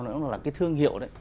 nó cũng là cái thương hiệu đấy